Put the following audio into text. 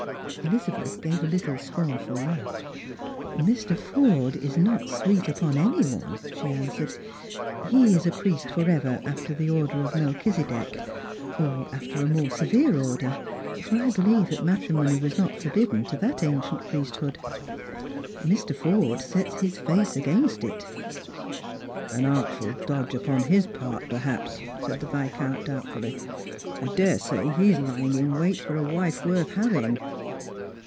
Elizabeth gave a liittle scornful laugh. " Mr. Forde is not sweet upon any one," she answered ;" he is a priest for ever, alter the order of Melchisedec ; or after a more severe order, for I beleve that matrimony was not forbidden to that ancient priesthood. Mr. Forde sets his face against it." " An artful dodge upon his part, perhaps," said the Viscountv doubtfully. " I daresay he is lying in wait for a wife worth having."